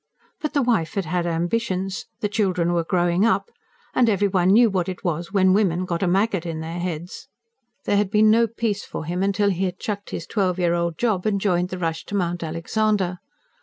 But the wife had had ambitions, the children were growing up, and every one knew what it was when women got a maggot in their heads. There had been no peace for him till he had chucked his twelve year old job and joined the rush to Mount Alexander.